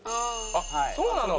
あっそうなの？